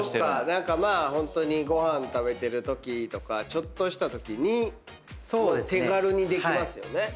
何かまあホントにご飯食べてるときとかちょっとしたときに手軽にできますよね。